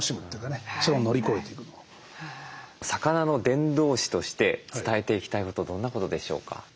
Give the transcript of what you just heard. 魚の伝道師として伝えていきたいことどんなことでしょうか？